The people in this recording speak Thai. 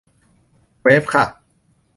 เวฟค่ะ